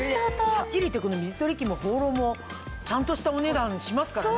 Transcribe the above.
はっきり言って水取り器もホーローもちゃんとしたお値段しますからね。